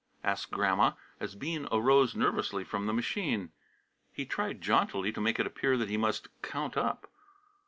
asked Grandma, as Bean arose nervously from the machine. He tried jauntily to make it appear that he must "count up."